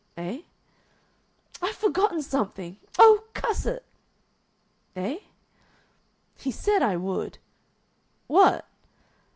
"Eh?" "I've forgotten something. Oh, cuss it!" "Eh?" "He said I would." "What?"